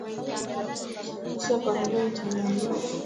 Kisha koroga mchanganyiko